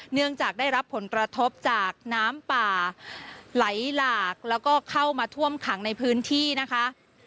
เนื่องจากได้รับผลกระทบจากน้ำป่าไหลหลากแล้วก็เข้ามาท่วมขังในพื้นที่นะคะ